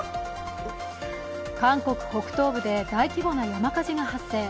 韓国北東部で大規模な山火事が発生。